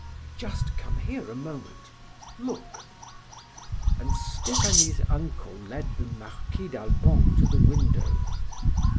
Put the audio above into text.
Just come here a moment; look!" and Stephanie's uncle led the Marquis d'Albon to the window.